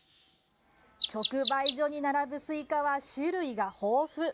直売所に並ぶスイカは種類が豊富。